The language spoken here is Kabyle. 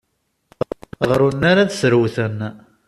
Ɣer unnar ad srewten.